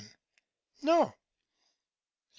No. Eu.